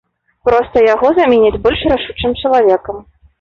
Проста яго заменяць больш рашучым чалавекам.